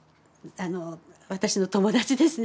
私の友達ですね